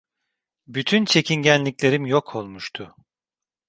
Bütün çekingenliklerim yok olmuştu.